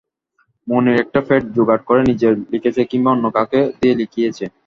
মুনির একটা প্যাড জোগাড় করে নিজেই লিখেছে কিংবা অন্য কাউকে দিয়ে লিখিয়েছে।